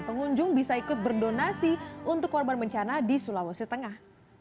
pengunjung bisa ikut berdonasi untuk korban bencana di sulawesi tengah